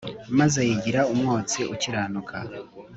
maze yigira umwotsi ukiranuka